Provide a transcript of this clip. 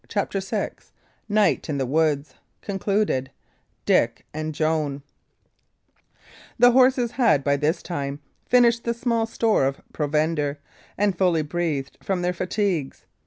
CHAPTER VI NIGHT IN THE WOODS (concluded): DICK AND JOAN The horses had by this time finished the small store of provender, and fully breathed from their fatigues.